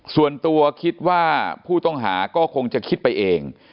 ส่วนตัวคิดว่าผู้ต้องหาก็คงจะคิดไปเอง